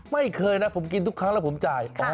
ไม่เคยนะผมกินทุกครั้งแล้วผมจ่าย